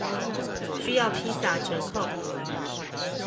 需要披薩折扣